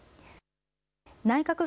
内閣府